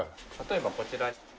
例えばこちら。